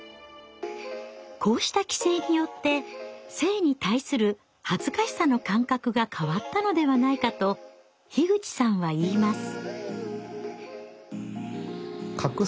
こうした規制によって性に対する恥ずかしさの感覚が変わったのではないかと口さんは言います。